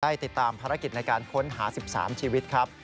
ติดตามภารกิจในการค้นหา๑๓ชีวิตครับ